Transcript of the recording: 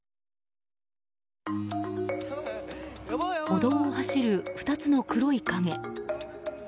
歩道を走る２つの黒い影。